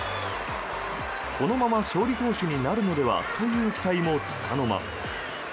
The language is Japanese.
このまま勝利投手になるのではという期待もつかの間。